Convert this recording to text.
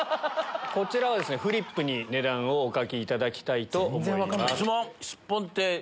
こちらはフリップに値段をお書きいただきたいと思います。